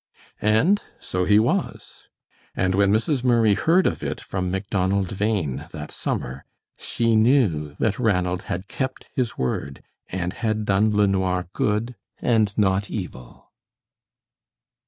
And so he was. And when Mrs. Murray heard of it from Macdonald Bhain that summer, she knew that Ranald had kept his word and had done LeNoir good and not evil.